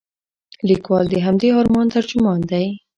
لیکوال د همدې ارمان ترجمان دی.